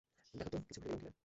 দেখো তো কিছু ভুলে গেলাম কি না।